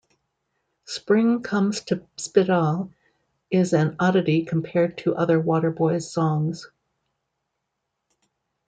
"Spring Comes to Spiddal" is an oddity compared to other Waterboys songs.